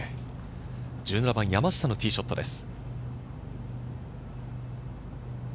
１７番、山下のティーショットです。